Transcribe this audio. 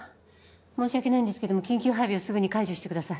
申し訳ないんですけども緊急配備をすぐに解除してください。